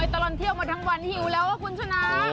ตลอดเที่ยวมาทั้งวันหิวแล้วคุณชนะ